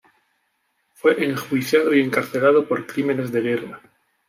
Fue enjuiciado y encarcelado por crímenes de guerra.